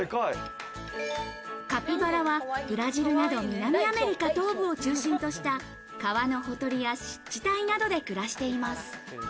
カピバラはブラジルなど、南アメリカ東部を中心とした川のほとりや湿地帯などで暮らしています。